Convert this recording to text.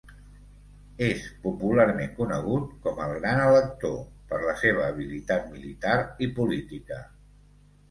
És popularment conegut com el Gran Elector per la seva habilitat militar i política.